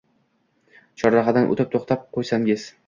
– Chorrahadan o’tib to’xtab qo’ysangiz.